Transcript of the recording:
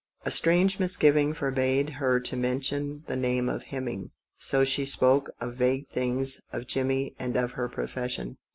A strange misgiving forbade her to mention the name of Hemming, so she spoke of vague things, of Jimmie and of her profession.